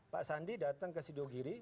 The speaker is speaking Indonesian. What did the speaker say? pak sandi datang ke sidogiri